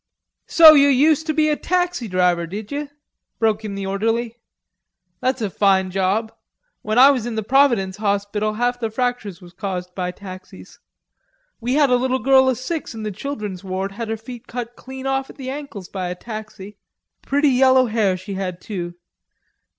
"So you used to be a taxi driver, did you?" broke in the orderly. "That's a fine job.... When I was in the Providence Hospital half the fractures was caused by taxis. We had a little girl of six in the children's ward had her feet cut clean off at the ankles by a taxi. Pretty yellow hair she had, too.